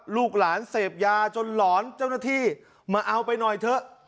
ลูกหลานเสพยาจนหลอนเจ้าหน้าที่มาเอาไปหน่อยเถอะ